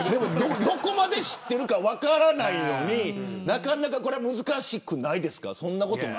どこまで知っているか分からないのになかなか難しくないですか。